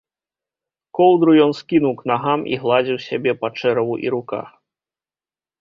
Коўдру ён скінуў к нагам і гладзіў сабе па чэраву і руках.